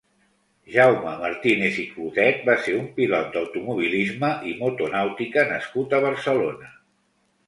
Jaume Martínez i Clotet va ser un pilot d'automobilisme i motonàutica nascut a Barcelona.